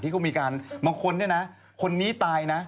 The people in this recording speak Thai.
ที่เขามีการมางคนคนนี้ตายนะ